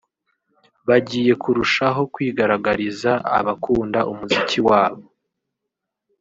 bagiye kurushaho kwigaragariza abakunda umuziki wabo